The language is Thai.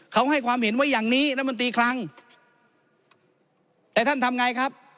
เขาให้ความเห็นไว้อย่างนี้รัฐมนตรีคลังแต่ท่านทำไงครับ